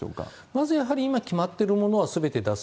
まずやはり、今決まってるものはすべて出す。